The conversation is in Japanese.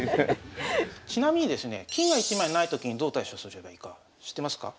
ちなみにですね金が一枚ないときにどう対処すればいいか知ってますか？